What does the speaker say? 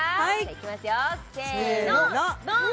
いきますよせーのドン！